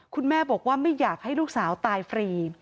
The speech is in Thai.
คุณแม่บอกว่าไม่อยากให้ลูกสาวตายฟรี